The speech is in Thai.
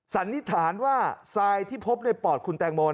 สันนิษฐานว่าทรายที่พบในปอดคุณแตงโม